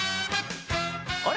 あれ？